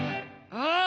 ああ！